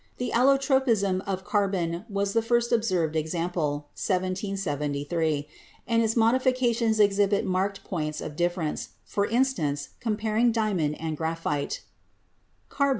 The allotropism of carbon was the first observed example (1773), and its modifications exhibit marked points of difference; for in stance, comparing diamond and graphite : J: a a, c "> a; Zh.